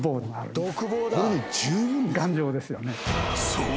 ［そう。